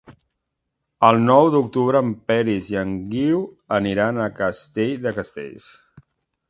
El nou d'octubre en Peris i en Guiu aniran a Castell de Castells.